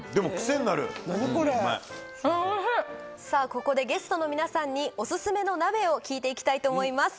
ここでゲストの皆さんにオススメの鍋を聞いて行きたいと思います